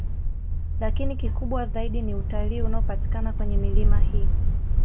Lakini kikubwa zaidi ni utalii unaopatikana kwenye milima hii